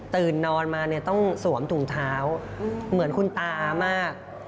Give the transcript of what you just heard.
นอนมาเนี่ยต้องสวมถุงเท้าเหมือนคุณตามาก